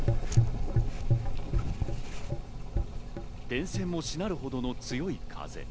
電線もしなるほどの強い風。